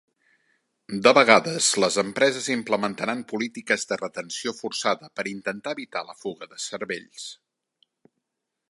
De vegades, les empreses implementaran polítiques de retenció forçada per intentar evitar la fuga de cervells.